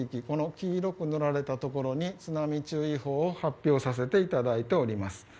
この黄色く塗られたところに津波注意報を発表させていただいております。